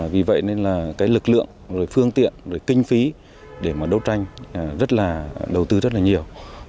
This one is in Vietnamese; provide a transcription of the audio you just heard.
vì vậy nên là lực lượng phương tiện kinh phí để đấu tranh đầu tư rất là nhiều